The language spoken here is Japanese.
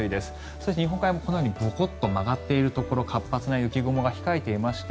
そして日本海も、このようにぼこっと曲がっているところ活発な雪雲が控えていまして